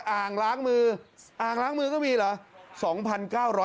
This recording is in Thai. อ่างล้างมืออ่างล้างมือก็มีเหรอ